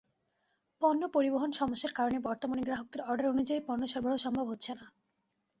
পণ্য পরিবহন-সমস্যার কারণে বর্তমানে গ্রাহকদের অর্ডার অনুযায়ী পণ্য সরবরাহ সম্ভব হচ্ছে না।